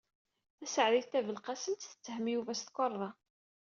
Taseɛdit Tabelqasemt tetthem Yuba s tukerḍa.